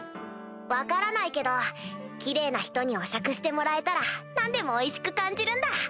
分からないけどキレイな人にお酌してもらえたら何でもおいしく感じるんだ。